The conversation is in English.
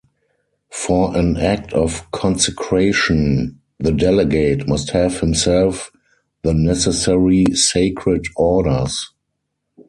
For an act of consecration the delegate must have himself the necessary sacred orders.